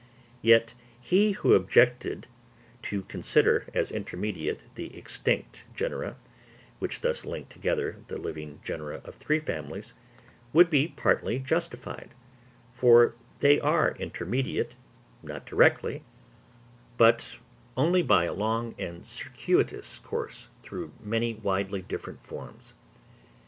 Yet he who objected to consider as intermediate the extinct genera, which thus link together the living genera of three families, would be partly justified, for they are intermediate, not directly, but only by a long and circuitous course through many widely different forms.